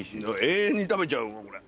永遠に食べちゃうこれ。